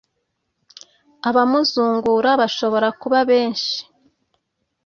abamuzungura bashobora kuba benshi.